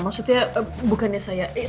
maksudnya bukannya saya